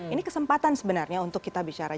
ini kesempatan sebenarnya untuk kita bicara